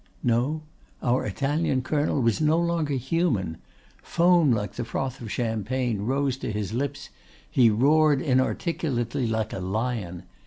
No, our Italian colonel was no longer human! Foam like the froth of champagne rose to his lips; he roared inarticulately like a lion.